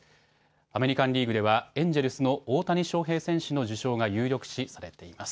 アメリカンリーグではエンジェルスの大谷翔平選手の受賞が有力視されています。